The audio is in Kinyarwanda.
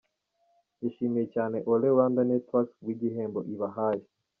Yashimiye cyane Olleh Rwanda Networks kubw’igihembo ibahaye.